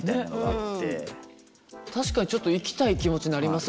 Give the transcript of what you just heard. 確かにちょっと行きたい気持ちになりますよね。